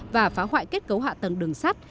và phá hoại kết cấu hạ tầng đường sắt